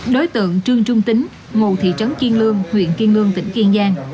đối tượng trương trung tính ngụ thị trấn kiên lương huyện kiên lương tỉnh kiên giang